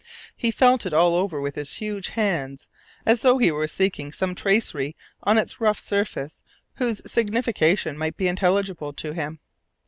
He felt it all over with his huge hands, as though he were seeking some tracery on its rough surface whose signification might be intelligible to him.